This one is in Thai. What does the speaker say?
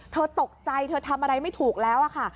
เธอตกใจเธอทำอะไรไม่ถูกแล้วค่ะ